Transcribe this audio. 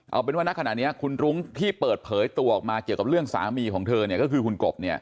เอาเป็นว่านักขณะนี้คุณรุ๊งที่เปิดเผยตัวออกมาเจอเรื่องสามีของเธอเนี่ยก็คือคุณกบเนี่ย